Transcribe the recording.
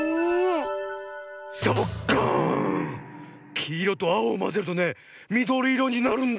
きいろとあおをまぜるとねみどりいろになるんだね。